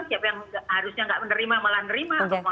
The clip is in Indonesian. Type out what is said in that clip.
siapa yang harusnya nggak menerima malah nerima